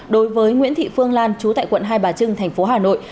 đối với nguyễn thị phương lan chú tại quận hai bà trưng tp hà nội